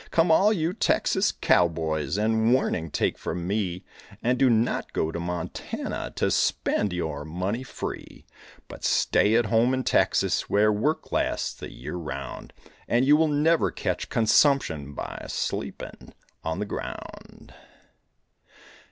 Come all you Texas cowboys And warning take from me, And do not go to Montana To spend your money free. But stay at home in Texas Where work lasts the year around, And you will never catch consumption By sleeping on the ground.